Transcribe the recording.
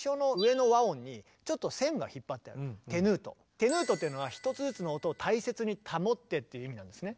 テヌートっていうのは「１つずつの音を大切に保って」っていう意味なんですね。